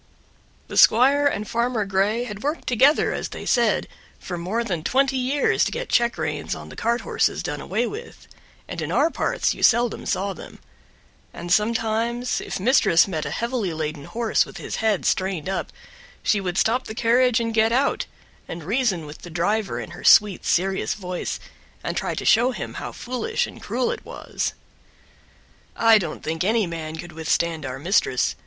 The squire and Farmer Grey had worked together, as they said, for more than twenty years to get check reins on the cart horses done away with, and in our parts you seldom saw them; and sometimes, if mistress met a heavily laden horse with his head strained up she would stop the carriage and get out, and reason with the driver in her sweet serious voice, and try to show him how foolish and cruel it was. I don't think any man could withstand our mistress.